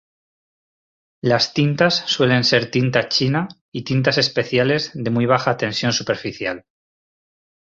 Las tintas suelen ser tinta china y tintas especiales de muy baja tensión superficial.